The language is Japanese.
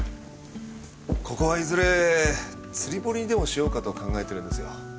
ここはいずれ釣堀にでもしようかと考えてるんですよ。